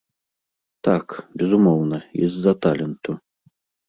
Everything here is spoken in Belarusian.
Так, безумоўна, і з-за таленту.